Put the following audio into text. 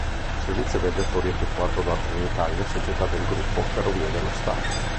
Il servizio viaggiatori è effettuato da Trenitalia società del gruppo Ferrovie dello Stato.